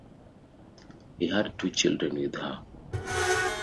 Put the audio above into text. He had two children with her.